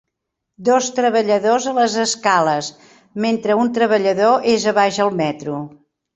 Dos treballadors a les escales, mentre un treballador és a baix al metro